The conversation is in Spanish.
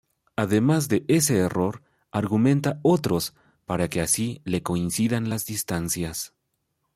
Además de ese error argumenta otros para que así le coincidan las distancias.